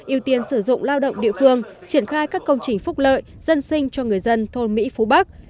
ưu tiên sử dụng lao động địa phương triển khai các công trình phúc lợi dân sinh cho người dân thôn mỹ phú bắc